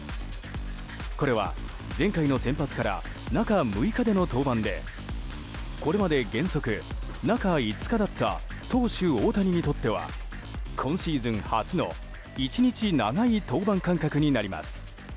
これは前回の先発から中６日での登板でこれまで原則、中５日だった投手・大谷にとっては今シーズン初の１日長い登板間隔になります。